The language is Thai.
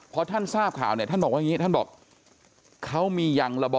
พอท่านทราบข่าวเนี่ยท่านบอกว่าอย่างนี้ท่านบอกเขามียังระบอ